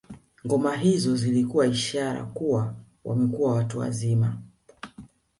Ngoma hizo zilikuwa ishara kuwa wamekuwa watu wazima